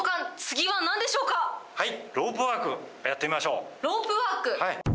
ロープワークやってみましょロープワーク。